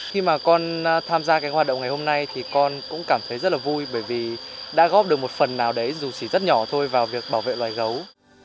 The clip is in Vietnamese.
khi mà con tham gia cái hoạt động ngày hôm nay thì con cũng cảm thấy rất là vui bởi vì đã góp được một phần nào đấy dù chỉ rất nhỏ thôi vào việc bảo vệ loài gấu